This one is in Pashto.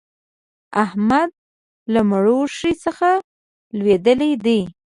احمد له مړوښې څخه لوېدلی دی.